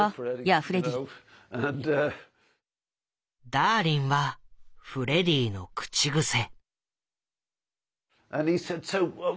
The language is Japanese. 「ダーリン」はフレディの口癖。